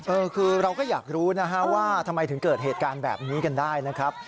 เออคือเราก็อยากรู้นะฮะว่าทำไมถึงเกิดเหตุการณ์แบบนี้กันได้นะครับ